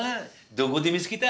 どこで見つけた？